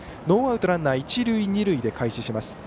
ノーアウトランナー、一塁二塁で開始します。